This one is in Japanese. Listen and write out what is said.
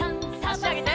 あしあげて。